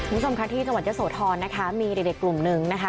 มุมสมคลัฐที่จังหวัดตะโสทรนะคะมีเด็กเด็กกลุ่มนึงนะคะ